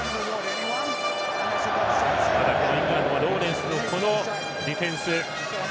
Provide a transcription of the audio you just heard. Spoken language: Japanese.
ただ、イングランドはローレンスの、このディフェンス。